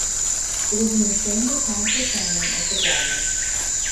It is in the same botanical family as the guava.